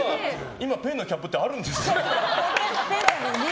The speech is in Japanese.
今、ペンのキャップってあるんですね。